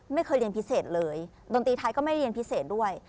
ไม่เคยเรียนพิเศษเลยดนตรีไทยก็ไม่เรียนพิเศษด้วย